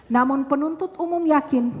namun penuntut umum yakin